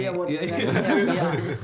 oh iya buat ini